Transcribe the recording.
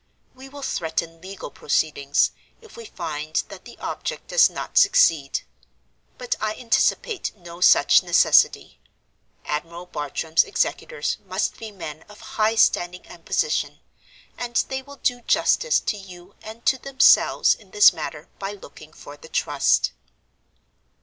We will threaten legal proceedings, if we find that the object does not succeed. But I anticipate no such necessity. Admiral Bartram's executors must be men of high standing and position; and they will do justice to you and to themselves in this matter by looking for the Trust.